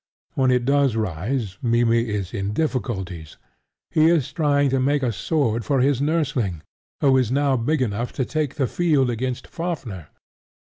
When it does rise Mimmy is in difficulties. He is trying to make a sword for his nursling, who is now big enough to take the field against Fafnir.